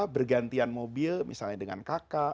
bergantian mobil misalnya dengan kakak